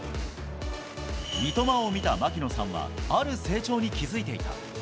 三笘を見た槙野さんは、ある成長に気付いていた。